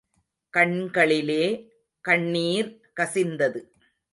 கண்களிலே கண்ணீர் கசிந்தது.